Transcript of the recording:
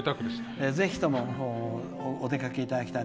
ぜひともお出かけいただきたい。